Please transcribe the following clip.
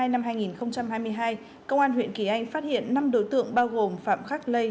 năm hai nghìn hai mươi hai công an huyện kỳ anh phát hiện năm đối tượng bao gồm phạm khắc lê